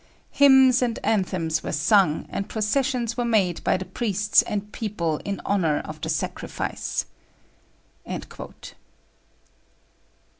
Hymns and anthems were sung, and processions were made by the priests and people in honour of the sacrifice."